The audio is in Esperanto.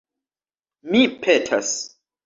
Mi petas!